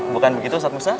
bukan begitu ustadz musa